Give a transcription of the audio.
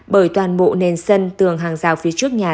bởi toàn bộ nền sân tường hàng rào phía trước nhà